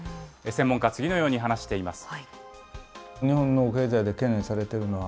専門家は次のように話しています。